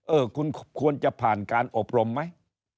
เออคุณควรจะผ่านการอบรมไหม